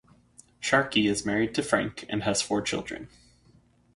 Sharkey is married to Frank and has four children.